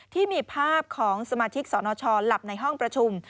ที่มีภาพของสมาชิกสนชหลับในห้องประชุม